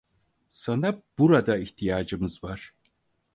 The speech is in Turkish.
Sana burada ihtiyacımız var.